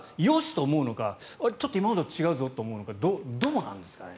と思うのかちょっと今までと違うぞと思うのかどうなんですかね？